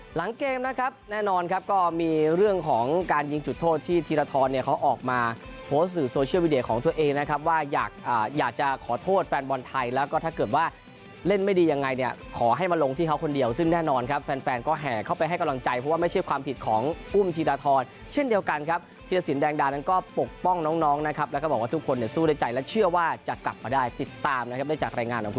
หลังเกมนะครับแน่นอนครับก็มีเรื่องของการยิงจุดโทษที่ทีรทรทรเนี่ยเขาออกมาโพสต์สื่อโซเชียลวีเดียของตัวเองนะครับว่าอยากอ่าอยากจะขอโทษแฟนบอลไทยแล้วก็ถ้าเกิดว่าเล่นไม่ดียังไงเนี่ยขอให้มาลงที่เขาคนเดียวซึ่งแน่นอนครับแฟนแฟนก็แห่เข้าไปให้กำลังใจเพราะว่าไม่ใช่ความผิดของอ